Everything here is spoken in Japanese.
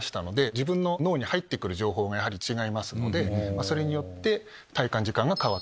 自分の脳に入ってくる情報がやはり違いますのでそれによって。